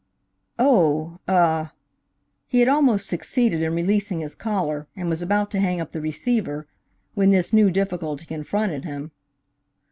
"Oh ah!" He had almost succeeded in releasing his collar, and was about to hang up the receiver, when this new difficulty confronted him.